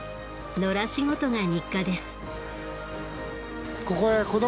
野良仕事が日課です。